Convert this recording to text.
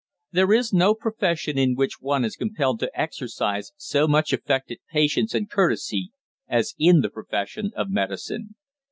There is no profession in which one is compelled to exercise so much affected patience and courtesy as in the profession of medicine.